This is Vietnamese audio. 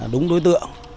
đúng đối tượng